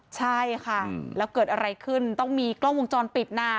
ใช่ค่ะแล้วเกิดอะไรขึ้นต้องมีกล้องวงจรปิดนะ